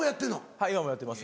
はい今もやってます。